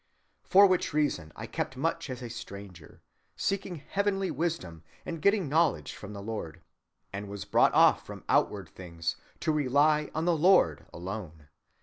For which reason I kept much as a stranger, seeking heavenly wisdom and getting knowledge from the Lord; and was brought off from outward things, to rely on the Lord alone.